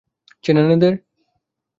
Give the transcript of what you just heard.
চেনেন এদের?